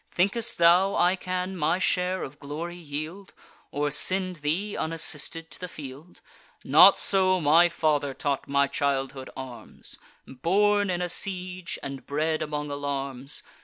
Think'st thou I can my share of glory yield, Or send thee unassisted to the field? Not so my father taught my childhood arms; Born in a siege, and bred among alarms!